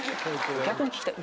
逆に聞きたい。